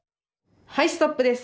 はいストップです。